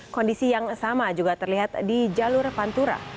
kondisi yang sama juga terlihat di jalur pantura